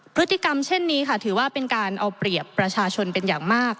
พฤติกรรมเช่นนี้ค่ะถือว่าเป็นการเอาเปรียบประชาชนเป็นอย่างมาก